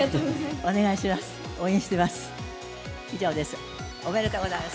お願いします。